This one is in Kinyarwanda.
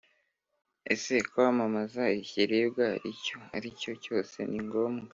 Ese kwamamaza ikiribwa icyo ari cyo cyose ni ngombwa?